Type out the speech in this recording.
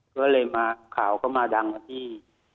ก็เลยมาข่าวก็มาดังมาที่